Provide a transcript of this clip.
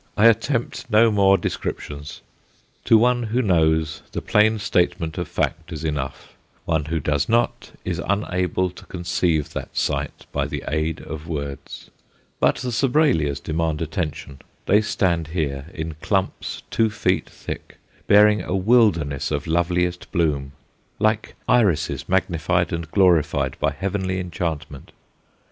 I attempt no more descriptions; to one who knows, the plain statement of fact is enough, one who does not is unable to conceive that sight by the aid of words. But the Sobralias demand attention. They stand here in clumps two feet thick, bearing a wilderness of loveliest bloom like Irises magnified and glorified by heavenly enchantment.